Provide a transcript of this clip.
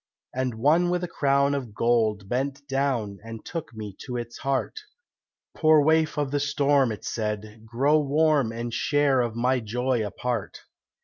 And one with a crown of gold bent down And took me to its heart, "Poor waif of the storm," it said, "grow warm And share of my joy a part.